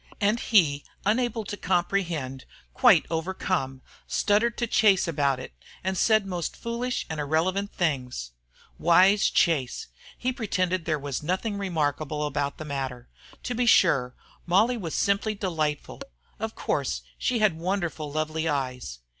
And he, unable to comprehend, quite overcome, stuttered to Chase about it, and said most foolish and irrelevant things. Wise Chase! He pretended there was nothing remarkable about the matter. To be sure, Molly was simply delightful. Of course she had wonderfully lovely eyes.